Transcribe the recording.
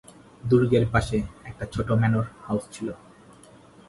দুর্গের পাশে একটা ছোট ম্যানর হাউস ছিল।